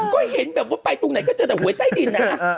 เกิดเห็นไปตรงไหนก็เจอแต่หวยใต้ดิน